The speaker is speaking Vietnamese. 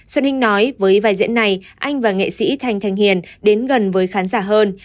xuân hinh nói với vai diễn này anh và nghệ sĩ thanh thành hiền đến gần với khán giả hơn